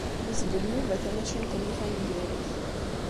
Yezgel Yuba tamacint-nni taneggarut.